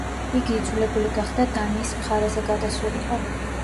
იგი იძულებული გახდა დანიის მხარეზე გადასულიყო.